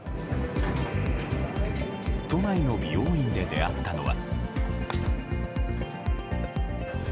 都内の美容院で出会ったのは。